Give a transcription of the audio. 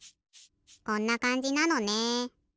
こんなかんじなのね。